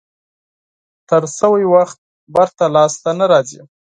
تیر شوی وخت بېرته لاس ته نه راځي.